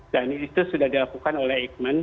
dan itu sudah dilakukan oleh ekman